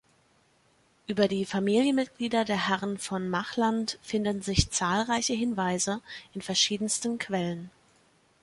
Über die Familienmitglieder der Herren von Machland finden sich zahlreiche Hinweise in verschiedensten Quellen.